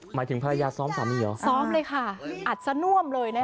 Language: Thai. หมายถึงภรรยาซ้อมสามีเหรอซ้อมเลยค่ะอัดสน่วมเลยนะคะ